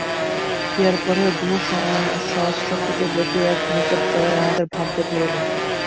ইহার পরেই বহুসহস্রফুট-ব্যাপী এক বিকট চড়াই আমাদের ভাগ্যে পড়িল।